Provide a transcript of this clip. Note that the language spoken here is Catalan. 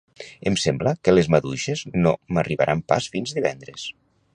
Em sembla que les maduixes no m'arribaran pas fins divendres